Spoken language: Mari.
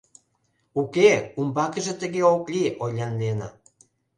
Уке, умбакыже тыге ок лий, — ойлен Лена.